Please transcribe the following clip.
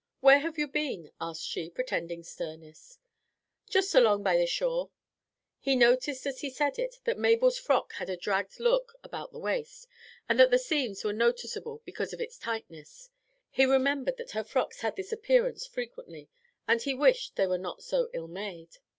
"Where have you been?" asked she, pretending sternness. "Just along by the shore." He noticed as he said it that Mabel's frock had a dragged look about the waist, and that the seams were noticeable because of its tightness. He remembered that her frocks had this appearance frequently, and he wished they were not so ill made.